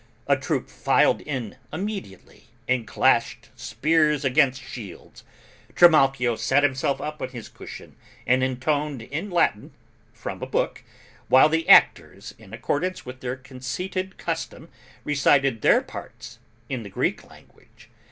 A troupe filed in, immediately, and clashed spears against shields. Trimalchio sat himself up on his cushion and intoned in Latin, from a book, while the actors, in accordance with their conceited custom, recited their parts in the Greek language.